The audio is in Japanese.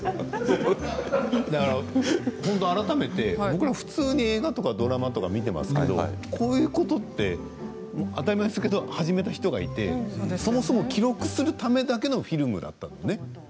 僕ら、改めて普通に映画とかドラマとか見ていますけれども当たり前ですけれども始めた人がいて、そもそも記録するためだけのフィルムだったので。